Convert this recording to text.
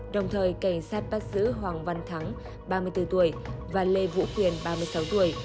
đồng thời cảnh sát bắt giữ hoàng văn thắng ba mươi bốn tuổi và lê vũ quyền ba mươi sáu tuổi